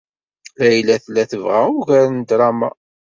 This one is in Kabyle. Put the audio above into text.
Layla tella tebɣa ugar n ddṛama.